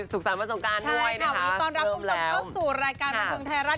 สุขสรรพสงกรานด์ด้วยนะคะใช่ค่ะวันนี้ตอนรับคุณผู้ชมเข้าสู่รายการบันทึงไทยรัฐ